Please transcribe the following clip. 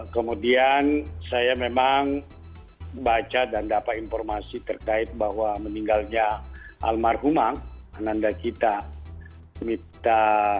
kemudian saya memang baca dan dapat informasi terkait bahwa meninggalnya almarhumah ananda kita mita